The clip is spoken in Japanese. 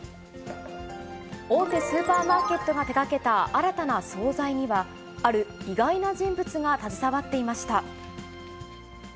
大手スーパーマーケットが手がけた新たな総菜には、ある意外な人物が携わっていました。